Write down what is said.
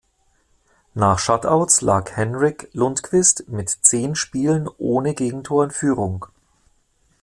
Nach Shutouts lag Henrik Lundqvist mit zehn Spielen ohne Gegentor in Führung.